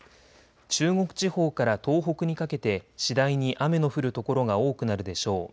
中国地方から東北にかけて次第に雨の降る所が多くなるでしょう。